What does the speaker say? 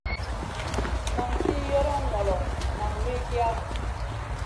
Nan tih yoron ŋolo, nan wikiya.